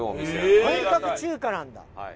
本格中華なんだ。